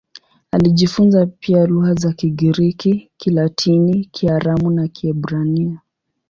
Alijifunza pia lugha za Kigiriki, Kilatini, Kiaramu na Kiebrania.